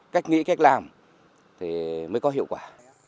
cách nghĩ cách làm thì mới có hiệu quả